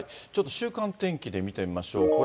ちょっと週間天気で見てみましょう。